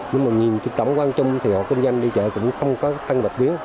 nếu mà nhìn trên tấm quan chung thì hội kinh doanh đi chợ cũng không có tăng bạch biến